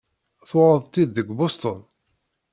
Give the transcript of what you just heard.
Tuɣeḍ-tt-id deg Boston?